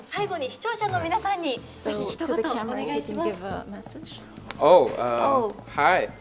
視聴者の皆さんにひと言お願いします。